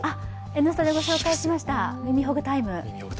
「Ｎスタ」でご紹介しました耳ほぐタイム。